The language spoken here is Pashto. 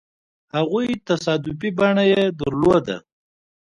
هغو تصادفي بڼه يې درلوده.